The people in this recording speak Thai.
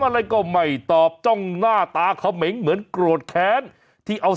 อะไรก็ไม่ตอบจ้องหน้าตาเขมงเหมือนโกรธแค้นที่เอา